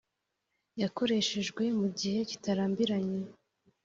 yakoreshejwe mu gihe kitarambiranye